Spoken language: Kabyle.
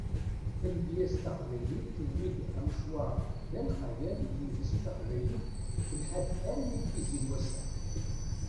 Tamedyazt taqbaylit tewwi-d amecwar d alqayan di tmetti taqbaylit telḥa-d armi d tizi n wass-a.